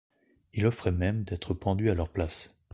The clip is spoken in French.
Il offrait même d'être pendu à leur place.